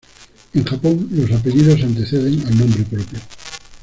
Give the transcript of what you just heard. En Japón los apellidos anteceden al nombre propio.